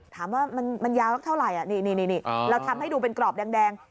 ถามว่ามันยาวสักเท่าไหร่นี่เราทำให้ดูเป็นกรอบแดง